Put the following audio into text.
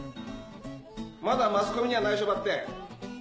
まだマスコミには内緒ばってん。